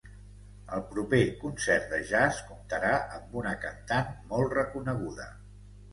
El proper concert de jazz comptarà amb una cantant molt reconeguda.